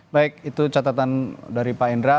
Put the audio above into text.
baik itu catatan dari pak endra